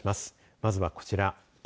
まずはこちら。